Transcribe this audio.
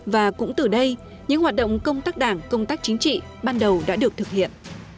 và cũng từ đây những hoạt động công tác đảng công tác chính trị ban đầu đã được thực hiện